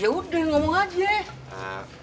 ya udah ngomong aja